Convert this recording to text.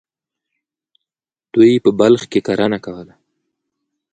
دوی په بلخ کې کرنه کوله.